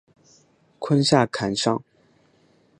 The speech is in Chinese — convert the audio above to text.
坤下坎上。